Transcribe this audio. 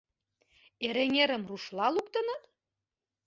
— «Эреҥерым» рушла луктыныт?